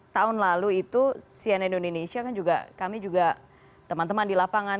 tahun lalu itu cnn indonesia kan juga kami juga teman teman di lapangan